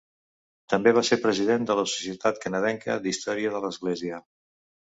També va ser President de la Societat Canadenca d'Història de l'Església.